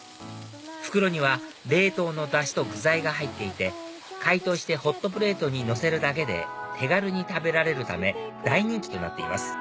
袋には冷凍のダシと具材が入っていて解凍してホットプレートにのせるだけで手軽に食べられるため大人気となっています